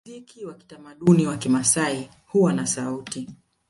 Muziki wa kitamaduni wa Kimasai huwa na sauti